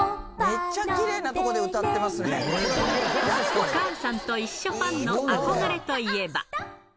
おかあさんといっしょファンの憧れといえば。